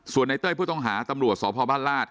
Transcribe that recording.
ส่วนในเต้ยผู้ต้องหาตำรวจสพบ้านราช